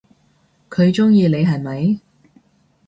佢仲鍾意你係咪？